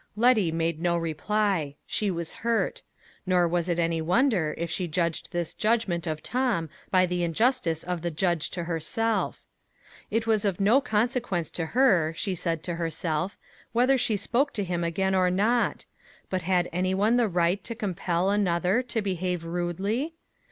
Letty made no reply. She was hurt. Nor was it any wonder if she judged this judgment of Tom by the injustice of the judge to herself. It was of no consequence to her, she said to herself, whether she spoke to him again or not; but had any one the right to compel another to behave rudely?